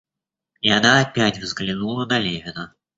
И она опять взглянула на Левина.